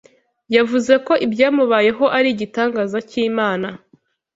yavuze ko ibyamubayeho ari igitangaza cy’Imana